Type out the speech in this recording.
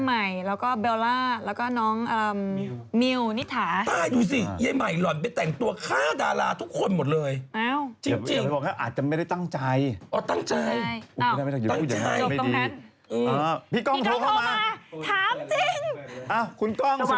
ใครเม้าพี่เนี่ยครับเม้ากันทั้งคน